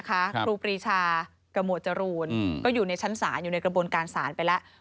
ครูปรีชากับหมวดจรูนก็อยู่ในชั้นศาลอยู่ในกระบวนการศาลไปแล้ว